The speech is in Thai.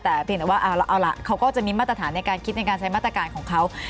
แต่เพียงแต่ว่าเอาล่ะเขาก็จะมีมาตรฐานในการคิดในการใช้มาตรการของเขา